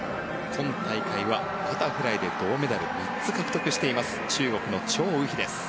今大会はバタフライで銅メダルを３つ獲得しています中国のチョウ・ウヒです。